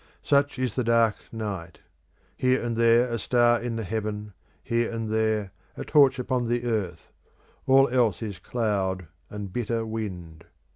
Such is the dark night: here and there a star in the heaven: here and there a torch upon the earth: all else is cloud and bitter wind.